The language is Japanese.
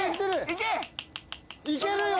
いけるよ！